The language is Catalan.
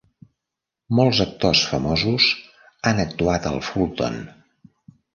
Molts actors famosos han actuat al Fulton.